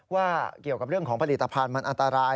ว่าเกี่ยวกับเรื่องของผลิตภัณฑ์มันอันตราย